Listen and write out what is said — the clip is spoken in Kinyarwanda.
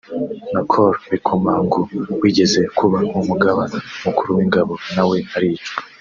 na Col Bikomagu wigeze kuba umugaba mukuru w’ingabo nawe aricwa